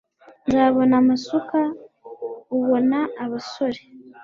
nzabona amasuka, ubona abasore